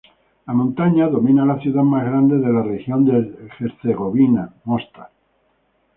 La montaña domina la ciudad más grande de la región de Herzegovina, Mostar.